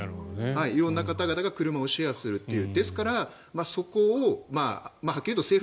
色んな方々が車をシェアするという。